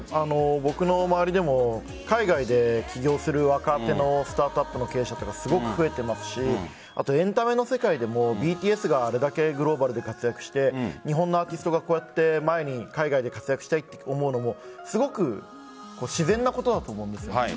僕の周りでも海外で起業する若手のスタートアップの経営者がすごく増えてますしエンタメの世界でもＢＴＳがあれだけグローバルに活躍して日本のアーティストがこうやって海外で活躍したいと思うのもすごく自然なことだと思うんです。